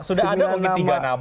sudah ada mungkin tiga